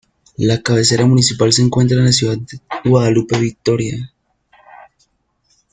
La cabecera municipal se encuentra en la Ciudad Guadalupe Victoria.